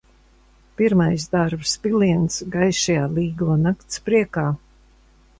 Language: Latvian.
Pirmais darvas piliens gaišajā Līgo nakts priekā!